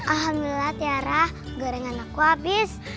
alhamdulillah tiara gorengan aku habis